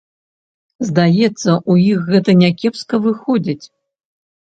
Здаецца, у іх гэта някепска выходзіць.